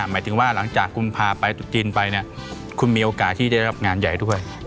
หมายถึงว่าหลังจากกุมภาไปตุจีนไปเนี่ยคุณมีโอกาสที่ได้รับงานใหญ่ด้วย